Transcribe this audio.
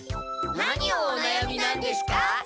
何をおなやみなんですか？